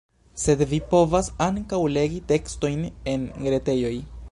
Sed vi povas ankaŭ legi tekstojn en retejoj.